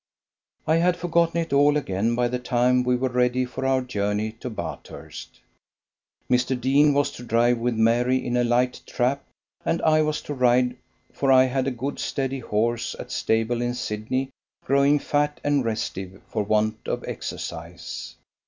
I had forgotten it all again by the time we were ready for our journey to Bathurst. Mr. Deane was to drive with Mary in a light trap and I was to ride, for I had a good steady horse at stable in Sydney growing fat and restive for want of exercise.